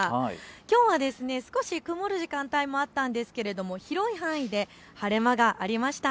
きょうは少し曇る時間帯もあったんですが広い範囲で晴れ間がありました。